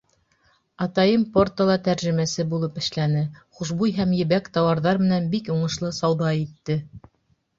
Атайым Портала тәржемәсе булып эшләне, хушбуй һәм ебәк тауарҙар менән бик уңышлы сауҙа итте.